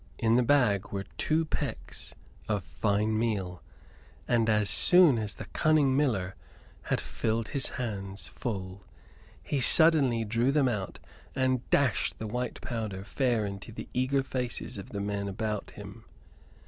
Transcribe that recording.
In the bag were too pecks of fine meal; and as soon as the cunning miller had filled his hands full he suddenly drew them out and dashed the white powder fair into the eager faces of the men about him.